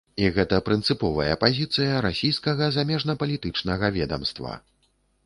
І гэта прынцыповая пазіцыя расійскага замежнапалітычнага ведамства.